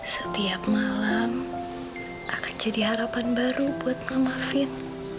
setiap malam akan jadi harapan baru buat mama fit